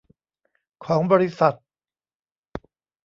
ของบริษัท